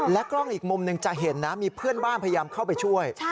กล้องอีกมุมหนึ่งจะเห็นนะมีเพื่อนบ้านพยายามเข้าไปช่วย